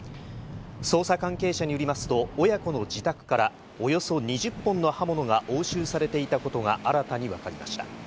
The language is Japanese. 捜査関係者によりますと、親子の自宅からおよそ２０本の刃物が押収されていたことが新たに分かりました。